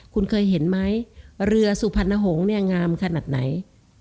คุณเคยเห็นไหมเรือสุพรรณหงษ์เนี่ยงามขนาดไหน